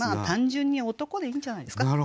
単純に「男」でいいんじゃないですか。